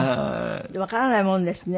わからないものですね。